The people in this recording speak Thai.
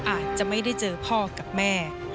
อาจจะไม่ได้เจอพ่อกับแม่